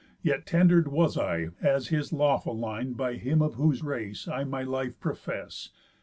Yet tender'd was I as his lawful line By him of whose race I my life profess.